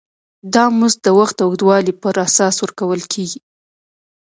دا مزد د وخت د اوږدوالي پر اساس ورکول کېږي